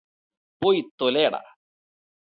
പോയി തൊലയെടാ